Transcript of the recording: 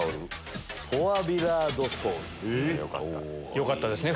よかったですね